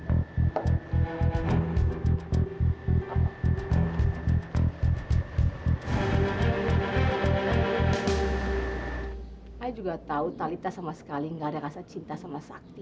saya juga tahu talitha sama sekali nggak ada rasa cinta sama sakti